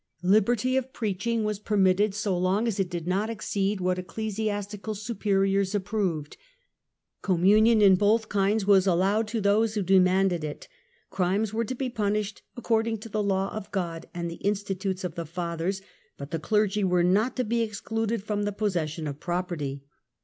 Liberty of preaching was permitted so long as it did not exceed what ecclesiastical superiors approved ; communion in both kinds was allowed to those who demanded it ; crimes were to be punished " according to the law of God and the institutes of the Fathers "; but the Clergy were not to be excluded from the possession of property.